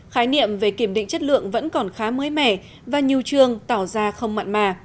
khái niệm về kiểm định chất lượng vẫn còn khá mới mẻ và nhiều trường tỏ ra không mặn mà